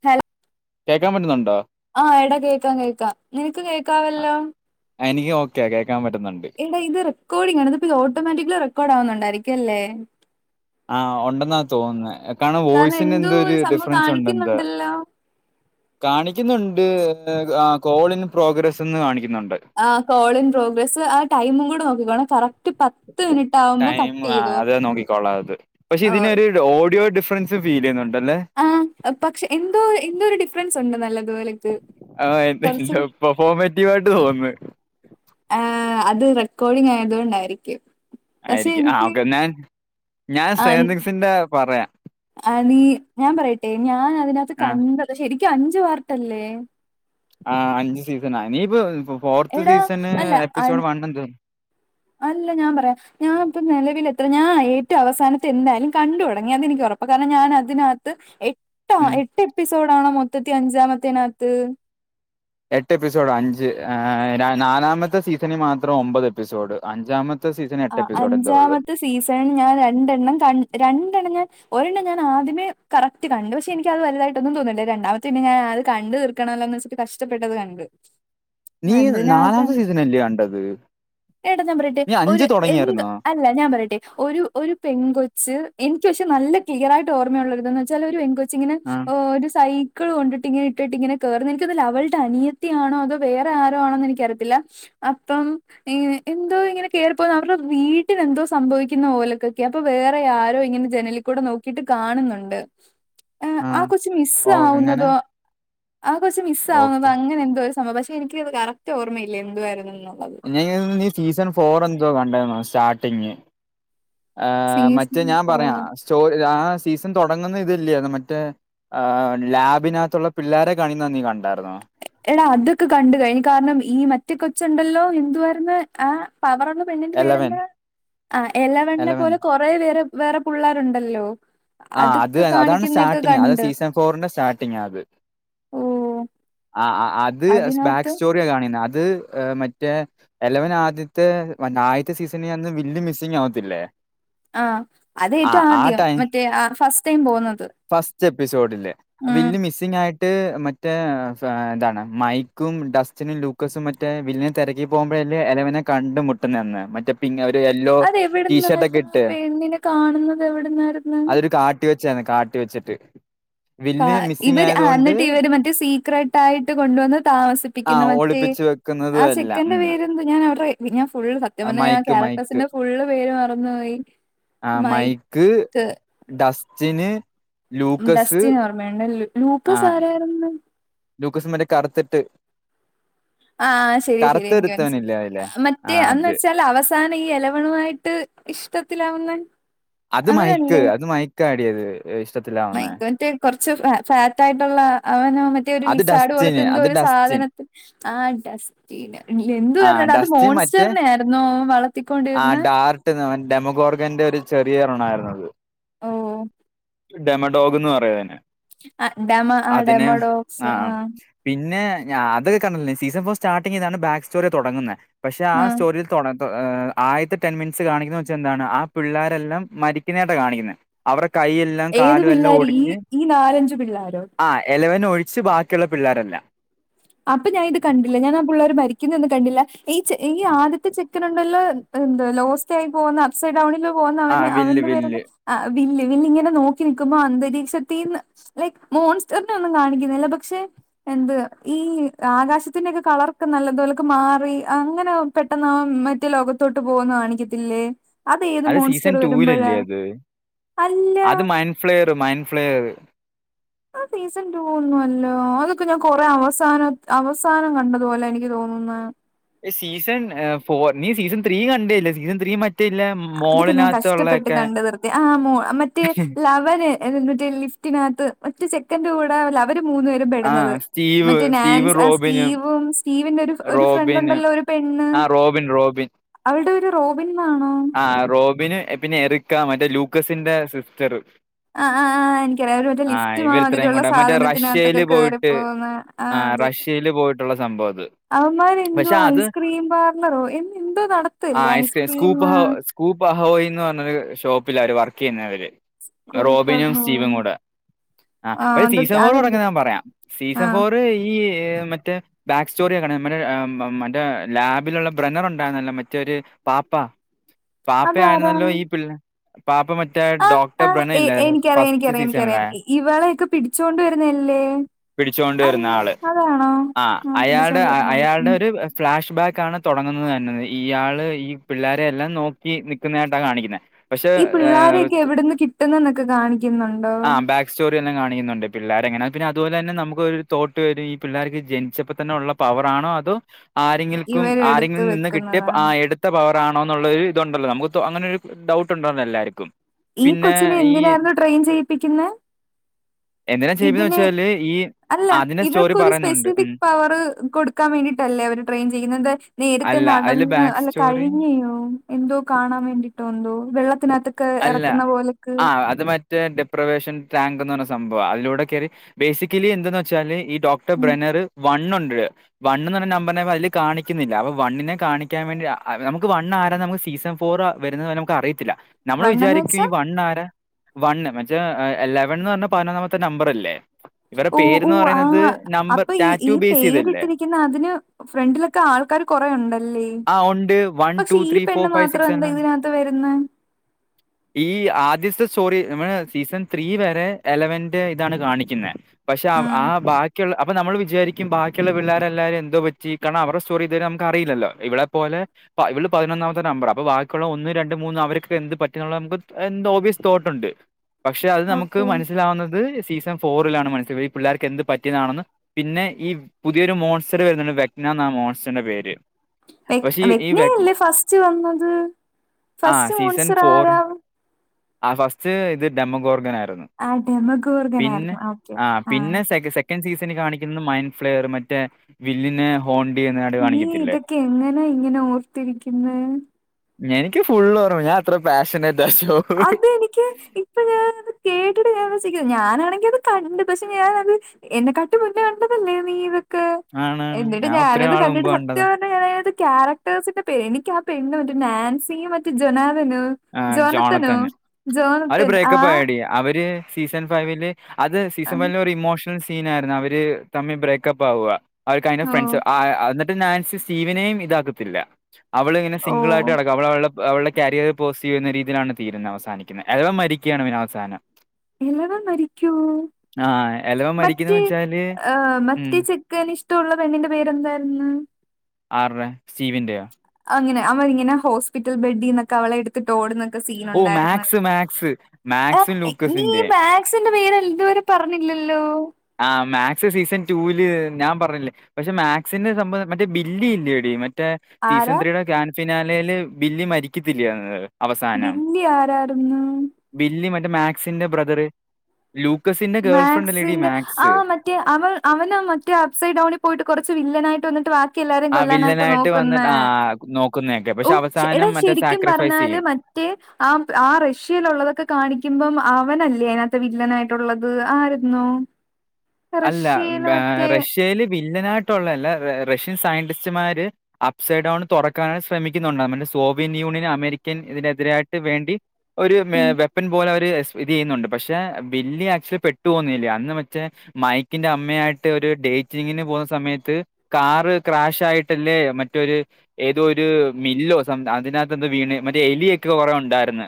തല കേക്കാൻ പറ്റുന്നുണ്ടോ ആഹ് എട കേക്കാം കേക്കാം നിനക്ക് അ- കേക്കാവല്ലോ എനിക്ക് ഓക്കെയാ കേക്കാം പറ്റുന്നുണ്ട് എടാ ഇത് റെക്കോർഡിങ്ങ് ആണ് ഇത് ഇപ്പ ഈ ഓട്ടോമാറ്റിക്കലി റെക്കോഡ് ആവുന്നുണ്ടാരിക്കും അല്ലേ ആഹ് ഉണ്ടെന്നാ തോന്ന്ന്നെ കാരണം വോയ്സിന് എന്തോ ഒരു ഡിഫ്റൻസ് ഉണ്ട് എന്ത് കാണിക്ക്ന്നുണ്ട് എന്ത് ആ കോളിൻ പ്രോഗ്രസ്സ് എന്ന് കാണിക്ക്ന്നുണ്ട് ആഹ് കോളിൻ പ്രോഗ്രസ്സ് ആ ടൈമും കൂടെ നോക്കിക്കോണം പറ ടൈം ആ അത് നോക്കിക്കോള്ളാ അത് പക്ഷെ ഓ, ഇതിനൊരു ഓഡിയോ ഡിഫ്റൻസ് ഫീല് ചെയ്യുന്നുണ്ട അല്ലേ ആ പക്ഷെ എന്തോ എന്തോ ഒരു ഡിഫ്റൻസ് ഉണ്ട് നല്ലത് പോലെ ഇക്ക് ആഹ് എന്ത് പെർഫോമെറ്റീവായിട്ട് തോന്ന്ന്ന് ആഹ് അത് റെക്കോർഡിങ് ആയതുകൊണ്ടായിരിക്കും പക്ഷെ ആയിരിക്കും ആ എനിക്ക് ഓക്കെ ഞാൻ ഞാൻ ആ, സേങ്സിന്റെ പറയാം ആ നീ ഞാൻ പറയട്ടെ ഞാൻ അതിനകത്ത് ആ കണ്ടത് ശരിക്കും അഞ്ച് പാർട്ടല്ലേ ആ അഞ്ച് സീസണാ നീയിപ്പ ഫോർത്ത് എടാ സീസണ് അല്ല എപ്പിസോഡ് വൺ എന്ത് അല്ല ഞാൻ പറയാം ഞാൻ ഇപ്പ നിലവിലെത്ര ഞാൻ ഏറ്റവും അവസാനത്തെ എന്തായാലും കണ്ട് തുടങ്ങി അതെനിക്ക് ഉറപ്പാ കാരണം ഞാൻ അതിനകത്ത് എട്ടോ ഉം എട്ട് എപ്പിസോഡാണോ മൊത്തത്തി അഞ്ചാമത്തേ യിനകത്ത് എട്ട് എപ്പിസോഡ് അഞ്ച് ആയ് നാലാമത്തെ സീസണീ മാത്രം ഒമ്പത് എപ്പിസോഡ് അഞ്ചാമ ത്തെ സീസണീ എട്ട് എപ്പിസോഡേറ്റെ ഒളള് സീസൺ ഞാൻ രണ്ടെണ്ണം ക രണ്ടെണ്ണം ഞാൻ ഒരെണ്ണം ഞാൻ ആദ്യമേ കറക്റ്റ് കണ്ടു. പക്ഷേ എനിക്ക് അത് വലുതായിട്ടൊന്നും തോന്നണ്ല്ല. രണ്ടാമത്തെ ഞാൻ അത് കണ്ട് തീർ ക്കണല്ലോന്ന് വെച്ചിട്ടു കഷ്ടപ്പെട്ടത് കണ്ടു. നീ അതിനകത്ത് നാലാമത്തെ സീസൺ അല്ലേ കണ്ടത്. എടാ ഞാൻ പറയട്ടെ ഒരു അഞ്ച് എന്ത് തുടങ്ങിയായിരുന്നാ? അല്ല ഞാൻ പറയട്ടെ. ഒരു ഒരു പെൺകൊച്ച്, എനിക്ക് പക്ഷെ നല്ല ക്ലിയർ ആയിട്ട് ഓർമ്മയുള്ളരുതെന്ന് വെച്ചാൽ ഒരു പെൺകൊച്ചി ങ്ങനെ ആഹ് ഒരു സൈ ക്കിൾ കൊണ്ടിട്ട് ഇങ്ങെ ഇട്ടിട്ട് ഇങ്ങനെ കേറന്ന്. എനിക്ക് അതല്ല അവൾടെ അനിയത്തിയാണോ അതോ വേറെ ആരോ ആണോ എനിക്കറിയത്തില്ല. അപ്പം എന്തോ ഇങ്ങനെ കേറി ഇപ്പോൾ നമ്മുടെ വീട്ടിലെന്തോ സംഭവിക്കുന്ന ഓലൊക്കൊക്കെ. അപ്പോൾ വേറെ ആരോ ഇങ്ങനെ ജനലിക്കൂടെ നോക്കി ട്ടിട്ട് കാണുന്നുണ്ട്. ആ ആഹ് കൊച്ച് മിസ്സ് ഓ എങ്ങനെ ആവുന്നതോ, ആ കൊച്ച് മിസ് ആവുന്നത് ഓക്കെ അങ്ങനെ എന്തോ ഒരു സംഭവം. പക്ഷെ എനിക്കത് കറക്റ്റ് ഓർമ്മയില്ല എന്തുവായിരുന്നുള്ളത്. [unintelligible] സീസൺ ഫോർ എന്തോ കണ്ടേർന്ന സ്റ്റാർട്ടിങ്. ആഹ് മറ്റേ ഞാൻ പറയാ. സീസൺ സ്റ്റോ ആ സീസൺ തുടങ്ങുന്ന ഇതില്ലേ മറ്റേ, ആ ലാബിനകത്തുള്ള പിള്ളേരെ കാണിക്കുന്ന നീ കണ്ടായിരുന്നോ? എടാ അതൊക്കെ കണ്ട് കഴിഞ്ഞു. കാരണം ഈ മറ്റേ കൊച്ചുണ്ടല്ലോ എന്തുവാര്ന്നു. ആ പവറൊള്ള പെണ്ണിന്റെ എലവൻ പേരെന്താ, ആ എലവണ്ണിനെ എലവൻ പോലെ കൊറ കുറേ വേറെ വേറെ പുള്ളേരുണ്ടല്ലോ? ആഹ് അത് അതാണ് സ്റ്റാർട്ടിങ്. അത സീസൺ തോറിന്റെ സ്റ്റാർട്ടിങ്ങാ അത്. ഓ ആ ആ അത് അതിനകത്ത് ബാക്ക്സ്റ്റോ [unintelligible] കാണുന്നത് അത് മറ്റേ, വല്ലവൻ ആദ്യത്തെ മ ആദ്യത്തെ സീസണിൽ അന്ന് വില്ലൻ മിസ്സിങ് ആവത്തില്ലേ. ആഹ് അത് ആ ഏറ്റവും ആ ആദ്യം. ടൈം മറ്റേ ഫസ്റ്റ് ടൈം പോകുന്നത്. ഫസ്റ്റ് എപ്പിസോഡില്. ഉം. വില്ലൻ മിസ്സ്‌ ങ്ങായിട്ട് മറ്റേ ഇതാണ് മൈക്കും ഡസ്റ്റിനും ലൂക്കസും മ റ്റേ വില്ലിനെ തെരക്കി പോകുമ്പോഴല്ലെ എലവനെ കണ്ട് മുട്ടുന്നതന്ന്. മറ്റേ പിന്നെ ഒരു യെല്ലോ ടീഷർട്ട് അതെവിടുന്നായിരുന്നു ഒക്കെ ആ ഇട്ട്. പെണ്ണിനെ കാണുന്നത് എവിടുന്നാരു അതൊരു കാട്ടി വെചാണ്. കാട്ടി വെച്ചിട്ട്. കാ വില്ല് മിസ്സിംഗ് ഇവര് അ ആയതുകൊണ്ട് എന്നിട്ട് ഇവര് മറ്റേ സീക്രട്ട് ആയിട്ട് കൊണ്ടുവന്ന് ആ താമസിപ്പിക്കുന്നു. മറ്റേ, ഒളിപ്പിച്ച് ആ വെക്കുന്നതും എല്ലാം ചെക്കന്റെ ഉം പേര്ന്ത ഞാൻ അവ [unintelligible] ഫുള്ള് സത്യം ആ, പറഞ്ഞ ഞാൻ മൈക്ക് മൈക്ക് ക്യാരക്ടഴസിന്റെ ഫുള്ള് പേര് മറന്ന് പോയി. മൈക്ക് ഡസ്റ്റ്ന്, ഡസ്റ്റിനെ ഓർമ്മയണ്ട്. ലു ആ ലൂക്കസാരായിരുന്ന്? ലൂക്കസ് മറ്റേ കറുത്തിട്ട്, ആ ശരിയാ ശരിയാ എനിക്ക് മനസ്സിലായി. കറുത്തൊരുത്തവനില്ലേ അതിലെ ആ മറ്റേ എന്ന് അത് വെച്ചാൽ അവ സാനം ഈ എലവനു ആയിട്ട് ഇഷ്ടത്തിലാവുന്ന അത് മൈക്ക്, അവനല്ലേ അത് മൈക്കാടിയത് ഇഷ്ടത്തില മൈക്ക് മറ്റേ കുറച്ച് ഫാറ്റ് ആയിട്ടുള്ള അവനാണ്. മറ്റേ ഒരു അത് ലിസാഡ് പോലത്തെ ഡസ്റ്റിന് എന്തോ അത് ഒരു ഡസ്റ്റിൻ സാധനത്തിൽ ആ ഡസ്റ്റ്, പിന്ന ഇല്ല ആ എന്തുവാരുന്നടാ അത് ഡസ്റ്റിൻ മറ്റേ മോൺസ്റ്ററിനെ ആയിരുന്നോ ആ വളർത്തിക്കൊണ്ടിരുന്നെ. ഡാർട്ട് ഡെമഗോർഗന്റെ ഒരു ചെറിയ ഒറണ്ണ ആയിരുന്നത്. ഓ ഓ. ഡെമഡോഗ് എന്ന് പറയും അയ്‌നെ. ആ ഡെമ ആ ഡമടോ ആഹ് ആ. പിന്നെ ഞാ അത് [unintelligible] ണ്ടില്ലേ സീസൺ ഫോർ സ്റ്റാർട്ടിംഗ് ഇതാണ് ബാക്ക് സ്റ്റോറിയ തുടങ്ങുന്നെ. പക്ഷെ ആ സ്റ്റോറിൽ, തുടാ ഏഹ് ആയത്തെ ടെൻ മിനിറ്റ്സ് കാണിക്കുന്ന വെച്ചാ എന്താണ്, ആ പിള്ളേരെല്ലാം മരിക്കുന്നതായിട്ടാണ് കാണിക്കുന്നെ. അവർടെ കയ്യിൽ, ഏത് പിള്ളാര്? ഈ ഈ നാലഞ്ച് പിള്ളേരോ? ആ എലവൻ ഒഴിച്ച് ബാക്കിയുള്ള പിള്ളേരെല്ലാം. അപ്പൊ ഞാൻ ഇത് കണ്ടില്ല. ഞാൻ ആ പുള്ളേർ മരിക്കുന്ന ഒന്നും കണ്ടില്ല. ഈ ഈ ആദ്യത്തെ ചെക്കനുണ്ടല്ലോ, എന്ത് ലോസ്റ്റ ആയി പോകുന്ന അപ്സൈഡ ഡൗണില് പോകുന്ന അവെ ആ വില്ല് അവന്റെ പേര്ന്ന് വില്ല് ആ വില്ല് ല് ഇങ്ങനെ നോക്കി നക്കുമ്പോ അന്തരീക്ഷത്തന്ന് ലൈക് മോൺസ്റ്ററിന ഒന്നും കാണിക്കുന്നില്ല പക്ഷെ എന്ത് ഈ ആകാശത്തിന്റെൊക്കെ കളർൊക്കെ നല്ലതുപോലെൊക്കെ മാറി അങ്ങനെ പെട്ടെന്ന് മറ്റേ ലോകത്ത് തോട്ട് പോകന്ന് കാണിക്കത്തില്ലേ അത് ഏത് സീസൺ മോൺസ്റ്റർ വരുമ്പോഴാ ടൂവിലല്ലേ അല്ല ഫ്ലേയർ മൈൻ് ഫ്ലെയർ ആ സീസൺ ടുൂ ഒന്നും അല്ലോ അതൊക്കെ ഞാൻ കൊറെേ അവസാന അവസാനം കണ്ടതുപോലെ എനിക്ക് തോന്നുന്ന സീസൺ ഫോർ നീ സീസൺ ത്രീ കണ്ടേല്ല സീസൺ ത്രീ മറ്റ അതൊക്കെ ഞാൻ കഷ്ടപ്പെട്ട് കണ്ട നിർത്തി ആഹോ മറ്റേ ലവന് എന്നിട്ട് ലിഫ്റ്റിനകത്ത് ഒറ്റ സെക്കൻ് കൂടെ അവര് മൂന്ന് ആ പെടുന്നത് സ്റ്റീവ് മറ്റേ ആ നാൻ സ്റ്റീവ് ആ റോബിനും സ്റ്റീവോ സ്റ്റീവിന്റെ ഒരു ഫ്രണ്ട് റോബിന് ഉണ്ടല്ലോ ആ റോബിൻ റോബിൻ അവരുടെ ഒരുര് റോബിൻ വാണോ ആ റോബിന് പിന്നെ എറിക്ക മറ്റേ ലൂക്കസിന്റെ സിസ്റ്ററ് ആ ആ് എനിക്കറിയാം ഒരു മറ്റേ ലിഫ്റ്റ് ഇവരിത്രയും മാതിരിയുള്ള കൂടെ മറ്റേ സാധനത്തിനകത്തൊക്കെ റഷ്യയില് കേയറിപ്പോുന്ന ആ അതെ ചയിയില് പോയിട്ടുള്ള സംഭവം അത് അവമാരെ എന്തോ പക്ഷെ അത് ഐസ്ക്രീം പാർലറോ എ എന്തോ നടത്തല്ലേ ഐസ്ക്രീം കൂപ്പ് അഹോയി എന്ന് പറഞ്ഞരു ഷോപ്പില അവര് വർക്ക് ചെയ്യുന്നവര് റോബിനും കൂപ്പർണോ സ്റ്റീവും കൂടെ ആ പ അതൊക്കെ സീസം ഫോർ അതെന്തോ വേണെങ്കിൽ ഞാൻ പറയാം ആ സീസൺ ഫോറ് ഈ മറ്റേ ബാക്ക് സ്റ്റോറി ആക്കണ മറ്റ മറ്റേ ലാബിലുള്ള ബ്രെനർ ഉണ്ടായിുന്നല്ല മറ്റേരു പാപ്പ ഉം പാപ്പ ആയിരുന്നല്ലോ ഈ പിള്ള പാപ്പ മറ്റേ ആഹ് ഡോക്ടർ ബ്രണ ഇല്ലേ ഫസ്റ്റ് സീസണിലെ ഇവളൊക്കെ പിടിച്ചു കൊണ്ട് വരുന്നല്ലേ പിടിച്ചുകൊണ്ട വരുന്ന ആള് ആ് ആഹ് അയാളുടെ പിടിച്ചോണ്ട് വരുന്നാള് അയാളുടെ ഉം ഒരു ഫ്ലാഷ് ബാക്ക് ആണ് തുടങ്ങുന്നത് തന്നത് ഈയാള് ഈ പിള്ളോരെയ എല്ലാം നോക്കി നിക്കുന്നതായിട്ടാ കാണിക്കുന്നത് പക്ഷെ ഈ പിള്ളോരെയൊക്കെ എവിടന്ന് കിട്ടുന്ന എന്നൊക്കെ കാണിക്കുന്നുണ്ടോ ആ ബാക്ക് സ്റ്റോറി എല്ലാം കാണിക്കുന്നുണ്ട് പിള്ളേരെ എങ്ങനെ പിന്നെ അതുപോലെ തന്നെ നമുക്ക് ഒരു തോട്ട് വരും ഈ പിള്ളേർക്ക് ജനിച്ചപ്പോ തന്നെ ഉള്ള പവറാണോ അതത് ആരെങ്കൾക്കും ഇവരെടുത്ത് ആരെങ്കിലും നിന്ന് കിട്ടിയ ആ വെക്കുന്നതാണ് എടുത്ത് പവർ ആണോ എന്നുള്ളരു ഇതുണ്ടല്ലോ നമുക്ക് അങ്ങനെ ഒരു ഡൗട്ട് ഉണ്ടല്ലോ എല്ലാവർക്കും ഈ പിന്നെ കൊച്ചിനെ ഈ എന്തിനായിരുന്നു ട്രെയിൻ ചെയ്യിപ്പിക്കുന്നെ എന്തിനാ ചെയ്യ ഇതിനെ എന്നച്ചാല് ഈ അല്ല അതിനെ സ്റ്റോറി ഇവർക്കൊരു പറയുന്നുണ്ട് ഉം സ്പെസിഫിക് പവർ കൊടുക്കാൻ വേണ്ടിയിട്ടല്ലേ അവര് ട്രെയിൻ ചെയ്യുന്നത് എന്താ നേരത്തെ അല്ല അതില് നടന്ന് ബാക്ക് അല്ല സ്റ്റോറി കഴിഞ്ഞോ എന്തോ കാണാൻ വേണ്ടിട്ടോ എന്തോ വെള്ളത്തിനകത്തൊക്ക ഇറ രായി ആ അത് മറ്റ തെൻ ഡിപ്രവേഷൻ ടാങ്ക് എന്ന് പറഞ്ഞ സംഭവം അതിലൂടെ കെയറി ബേസിക്കലി എന്തന്ന് വെച്ചാല് ഈ ഡോക്ടർ ഉം ബ്രനർ വൺ ഒണ്ട് വണ്ണന്ന് പറഞ്ഞ നമ്പർ അതില് കാണിക്കുന്നില്ല അപ്പൊ വണ്ണിനെ കാണിക്കാൻ വേണ്ടി നമുക്ക് വണ്ണ ആര നമുക്ക് സീസൺ ഫോർ വെരുന്നത് വരെ നമുക്ക് അറിയത്തില്ല നമ്മൾ വണ്ണംന്ന് വിചാരിക്കും വെച്ചാ ഈ വൺ ആര വൺ മറ്റേ എലവൻന്ന് പറഞ്ഞ പതിനൊന്നാമത്തെ നമ്പർ അല്ലേ ഇവരുടെ ഓ പേര് ഓ എന്ന് ആ പറയുന്നത് നമ്പർ അപ്പൊ ഈ ഈ ടാറ്റു ബേസ് ചെയ്തല്ലേ പേരിട്ടിരിക്ക അതിന് ഫ്രണ്ടിലൊക്കെ ആൾക്കാാര് കൊറേ ഒണ്ടല്ലേ ഉം ആ ഉണ്ട്. പക്ഷെ ഈ പെണ്ണ് മാത്രം എന്താ എല്ലാം ഉണ്ട്. ഇതിനാത്ത് വരുന്നെ ഈ ആദ്യത്തെ സ്റ്റോറി നമ്മള് സീസൺ ത്രീ വരെ എലവൻന്റെ ഇതാണ് കാണിക്കുന്ന പക്ഷെ ആ ഉം ആ ബാക്കിയുള്ള അപ്പൊ നമ്മൾ വിചാരിക്കും ബാക്കിയുള്ള പിള്ളേരെ എല്ലാരേ എന്തോ പറ്റി കാരണം അവരുടെ സ്റ്റോറി ഇതുവരെ നമുക്ക് അറിയില്ലോ ഇവളെ പോലെ ഇവള് പതിനൊന്നാമത്തെ നമ്പറാ അപ്പൊ ബാക്കി ഒള്ള ഒന്ന് രണ്ട് മൂന്ന് അവരൊക്കെക്കെ എന്ത് പറ്റിന്നുള്ള നമുക്ക് എന്ത് ഓബ്യസ് തോട്ടൊണ്ട് പക്ഷെ അത് നമുക്ക് ഓക്കെ മനസ്സിലാവുന്നത് സീസൺ ഫോറിലാണ് മനസ്സില ഈ പിള്ളേർക്ക് എന്ത് പറ്റിയതാണെന്ന് പിന്നെ ഈ പുതിയൊരു മോൺസ്റ്റർ പെര്ന്നുണ്ട് വെക്നാന്ന മോൺസ്റ്ററിന്റെ പേര് വെ പക്ഷെ ഈ ഈ വെക് വെഗ്നയല്ലേ ഫസ്റ്റ് വന്നത് ആ ഫസ്റ്റ് സീസൺ മോൺസ്റ്ററാരാ? ആ ഫസ്റ്റ് ഇത് ഡെമൊ ഗോർഗനായിരുന്നു ആ ഡെമഗോർഗൻ പിന്നെ ആയിരുന്നു ഓക്കെ ആ പിന്നെ സെക്ക് സെക്കെ ൻ സീസണി കാണിക്കുന്നത് മൈൻഫ്ലെയറ് മറ്റേ വില്ലിന് ഹോണ്ടെയ്യിന്നെതായിട്ട് കാണിക്കത്തില്ലേ? എങ്ങനെയിങ്ങനെ ഓർത്തിരിക്കിന്നേ? എനിക്ക് ഫുള്ള് ഒർമ്മ ഞാനത്ര പാഷനേട്ടാ ഷോ എനിക്ക് ഇ ഇപ്പൊ ഞാനത് കേട്ടിട്ട് വാ [unintelligible] ഞാനാണെങ്കി അത് കണ്ട് പക്ഷെ ഞാനത് എന്നെ കാട്ടെ മുന്നേ കണ്ടതല്ലേ നീയിതൊ ക്ക് ആണ് ആണ് എന്നിട്ട് ഞാൻ ഒത്തിരി ഞാനത് നാൾ മുമ്പ് കണ്ടിട്ട് സത്യം കണ്ടതാ പറ [unintelligible] ക്യാരക്ടേഴ്സിന്റെ പേര് എനിക്ക് ആ പെണ്ണ് മറ്റേ നാൻസിയും മറ്റ ജൊനാലനോ? ആഹ് ജോണ തന്നെ അഹ് ആ ബ്രേക്കപ്പായെടി അവര് സീസൺ ഫൈവില് അത് ആ, സീസൺ ഫൈവില് ഒരു ഇമോഷൻ കിടിലൻ സീനായിരുന്നു അവര് തമ്മി ബ്രേക്കപ്പാവുക അഹ് കയിറ്റോഫ് ഓ ഫ്രണ്ട്‌സ് ആ ആന്ന് എന്നെ ട്ട് നാൻസി സ്‌റ്റീവനെയും ഇതാക്കത്തില്ല അവളിങ്ങനെ ഓ സിംഗ്ളായിട്ട് നടക്കുവ അവള് അവള് അവളുടെ കരിയറ് പോസിറ്റീവ് വരുന്ന രീതിയിലാണ് തീര്ന്നേ അവസാനിക്കുന്നേ എഥവാ മരിക്കെയാണ് പിന്ന അവസാനം എലവം മരിക്കൊ? ആഹ എലവ മറ്റേ എഹ് മറ്റെ ചെക്കനിഷ്ടവൊള്ള പെണ്ണിന്റെ പേരെന്തായിരുന്നു? ആർടെ സ്റ്റീവിന്റെയോ? അങ്ങനെ അവരിങ്ങനെ ഹോസ്പിറ്റൽ ബെഡീന്നൊക്കെ അവളെയിട്ത്തിട്ട് ഓടുന്നേ ക്കെ ഓ സീനൊണ്ടായിരുന്നു മാക്സ് മാക്സ് എ മാക്സും നീയീ ലൂക്കസിന്റെയും മാക്ക് സിന്റെ പേര് ഇതുവരെ പറഞ്ഞില്ലല്ലോ? ആ മാക്സ് സീസൺ ടൂവീല് ഞാൻ പറഞ്ഞില്ലേ പക്ഷെ മാക്സിന്റെ സംഭവം മറ്റേ ബില്ലിയില്ലേടി മറ്റെ സീസൺ ആരാ ത്രീയുടെ ഗ്രാന്റ് ഫിനാലേല് ബില്ലി മരിക്കത്തില്ലെയൊ അന്നേരം? ബില്ലി ആരാരുന്നു? ബില്ലി മറ്റെ മാക്സിന്റെ ബ്രദറ് ലൂക്കസിന്റെ ഗേൾഫ്രണ്ടല്ലേടീ മാക് ആഹ് മറ്റേ അവൾ അവന് മറ്റേ അപ്സൈ ഡൗണി പോയിട്ട് കൊറച്ച് വില്ലനായിട്ട് വന്നിട്ട് വാ കിയെല്ലാരേം ആ കൊല്ലാനായിട്ട് വില്ലനായിട്ട് വന്നിട്ട് നോക്കുന്നെ ആ നോക്കുന്നതൊക്കെ ഔ പക്ഷെ എടാ അവസാനം മറ്റേ ശരിക്കും സാക്രിഫൈസ് ചെയ്യും പറഞ്ഞാല് മ റ്റെ ആ ആ റഷ്യാലുള്ളതൊക്കെ കാണിക്കുമ്പം അവനല്ലേ അതിനാത്ത് വില്ലനായിട്ടു ള്ളത് ആര്ന്നൊ? അല്ല ഹേ റഷ്യയില് വില്ലനായിട്ടൊള്ളല്ല റഷ്യൻ സയന്റിസ്റ്റുമാര് അപ്സൈഡ് ഡൗൺ തൊറക്കാനായി ശ്രമിക്കുന്നുണ്ട് മറ്റേ സോവിയറ്റ് യൂണിയൻ അമേരിക്കൻ ഇതിന് എതിരായിട്ട് വേണ്ടി ഒരു മേ ഉം വെപ്പൻ പോലെ ഒരു എസ് ഇത് ചെയ്യുന്നുണ്ട് പക്ഷെ ബില്ലി ആക്ച്വലി പെട്ടു പോന്നില്ല്യ അന്ന് മറ്റെ മൈക്കിന്റെ അമ്മയായിട്ട് ഒരു ഡേറ്റിങ്ങിന് പോവ്ന്ന സമയത്ത് കാറ് ക്രാഷായിട്ടല്ലേ മറ്റൊര് ഏതോ ഒരു മില്ലോ സം അതിനാത്ത് എന്തോ വീണ് മറ്റേ എലിയൊക്കെ കൊറെ ഒണ്ടായിര്ന്ന്.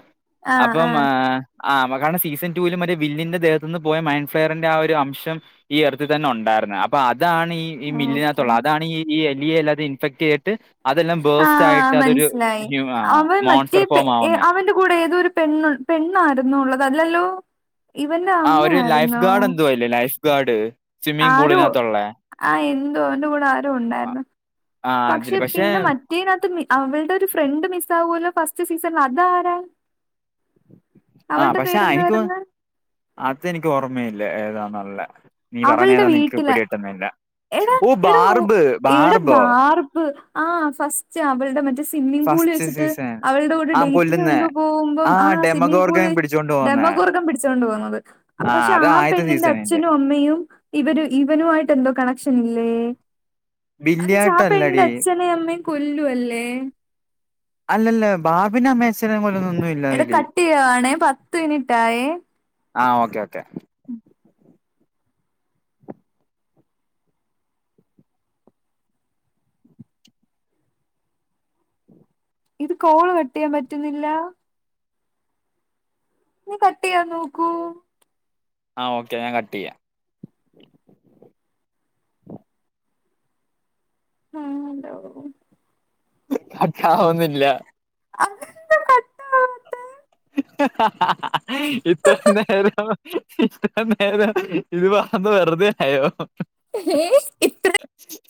ആഹ് അപ്പം ആഹ് ആ ഹ് ആഹ് [unintelligible] സീസൺ ടൂവില് മറ്റേ വില്ലിന്റെ ദേഹത്തു നിന്ന് പോയ മൈൻ ഫയറിന്റെ ആ ഒരു അംശം ഈ എർത്തി തന്നെ ഒണ്ടായിർന്ന് അപ്പൊ അതാണ് ഈ ഈ ഓക്കെ മില്ലിനകത്തൊള്ളെ അതാണ് ഈ എലിയെ എല്ലാതെ ഇൻഫെക്ട്യ്യ്ത്ട്ട് ആ് മനസ്സിലായി അവൻ മറ്റേ മോൺസ്റ്റർ പെ ഫോം ഏ ആവുന്നത് അവന്റെ കൂടെ ഏതോ ഒരു പെണ് പെണ്ണായിരുന്നോ ഉള്ളത് അല്ലല്ലോ? ഇവന്റെ അമ്മയായിരുന്നോ? ഇല്ല ലൈഫ് ഗാഡ്. ആരോ ആഹ എന്തോ അവന്റെ കൂടെ ആരോ ഉണ്ടായിരുന്നു ആ പക്ഷെ അതില് പിന്നെ മ റ്റേനാത്ത് അവൾടൊരു ഫ്രണ്ട് മിസ്റ്റാവോല്ലോ ഫസ്റ്റ് സീസൾള് അത് ആരാ? അവൾടെ പേരെന്തുവാരുന്ന്? അത് എനിക്ക് ഓർമയില്ല ഏതാന്നുള്ളെ നീ പറഞ്ഞെ അവളുടെ ഏതാന്ന് എനിക്ക് വീട്ടിൽ പിടി കിട്ടുന്നില്ല. എടാ എടാ ഓ ബാർബ് ഇവിടെ ബാർബോ ബാർപ്പ് ആഹ് ഫസ്റ്റ് അവൾടെ മറ്റേ സ്വിമ്മിംഗ് പൂളി ഫസ്റ്റ് വെച്ചി ട്ട് സീസൺ അവളുടെ കൂടെ ആ കൊല്ലുന്ന ഡേറ്റീനോ ന്തോ പോകുമ്പം ആ ആഹ് സ്വിമ്മിങ് ഡെമഗോർഗൻ പൂളി പിടിച്ചോണ്ട് പോവുന്നെ ഡെമോ കുറുക്കൻ പിടിച്ചോണ്ട് പോന്നത് പക്ഷെ അത് ആ ആദ്യത്തെ പെണ്ണിന്റെ സീസണിന്റെ അച്ഛനും അമ്മയും യും ഇവന് ഇവനുആയിട്ട് എന്തോ കണക്ഷൻ ഇല്ലേ? അന്നുവെച്ചാ ആ പെണ്ണിന്റെ ബില്ലിയാട്ടല്ലടി അച്ഛനേം അമ്മേം കൊല്ലുവല്ലേ? അല്ലല്ല ബാബിന്റെ അമ്മേ അച്ഛനെ കൊല്ലുന്നൊന്നും ഇ എടാ കട്ട് ചെയ്യുവാണേ പത്ത് മിനിറ്റായെ. ആഹ് ഓക്കെ ഓക്കെ. ഇത് കോള് കട്ട് ചെയ്യാൻ പറ്റുന്നില്ല. നീ കട്ട് ചെയ്യാൻ നോക്കുവോ ആഹ് ഓക്കെ ഞാൻ കട്ട് ചെയ്യാം. [inaudible] കട്ടാവുന്നില്ല. അതെന്താ കട്ട് ആവാത്തെ? ഹ ഹ ഹ ഹ ഹ ഇത്രേം നേരം ഇത്രേം നേരം ഇത് പറഞ്ഞത് വെറുതെ ആയോ വേസ്റ്റ്. [inaudible]